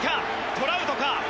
トラウトか？